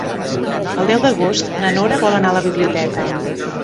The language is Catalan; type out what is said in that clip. El deu d'agost na Nora vol anar a la biblioteca.